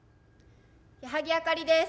矢作あかりです。